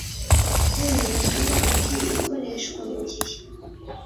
w Ubuyobozi utuma ikoreshwa mu gihe